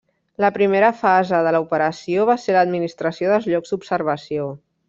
La primera fase de l'operació va ser l'administració dels llocs d'observació.